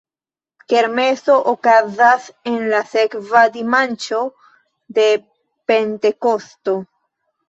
Kermeso okazas en la sekva dimaĉo de Pentekosto.